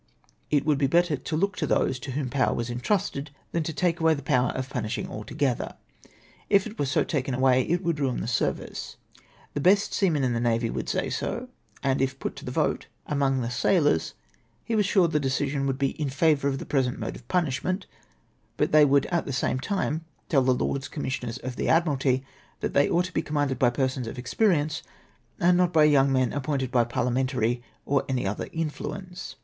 It would be better to look to those to whom power was entrusted, than to take away the power of punishing altogether. If it were so taken away, it woidd ruin the service. The best seamen in the navy would say so, and if put to the vote among the NEVERTHELESS INDISPENSABLE. 253 sailors, lie was sure the decision would be in favour of the present mode of punishment; but they would at the same time tell the Lords Commissioners of the Admiralty that they ought to be commanded by persons of experience, and not by young men appointed by parliamentary or any other influence.